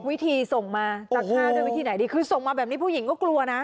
วิธีส่งมาจะฆ่าด้วยวิธีไหนดีคือส่งมาแบบนี้ผู้หญิงก็กลัวนะ